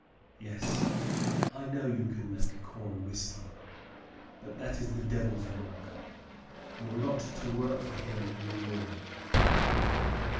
"Yes, I know you can make corn whiskey, but that is the devil's work. You're not to work for him any more."